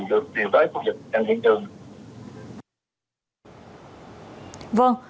được điều tới khu vực gần hiện trường